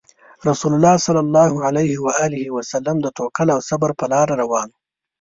رسول الله صلى الله عليه وسلم د توکل او صبر په لار روان وو.